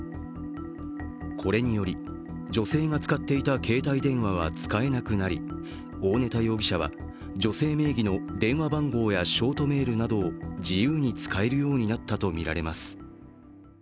これにより女性が使っていた携帯電話は使えなくなり大根田容疑者は、女性名義の電話番号やショートメールなどを自由に使えるようになったとみられます。